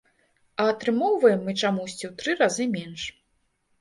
А атрымоўваем мы чамусьці ў тры разы менш.